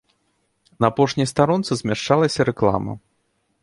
На апошняй старонцы змяшчалася рэклама.